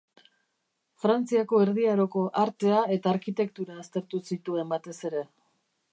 Frantziako Erdi Aroko artea eta arkitektura aztertu zituen, batez ere.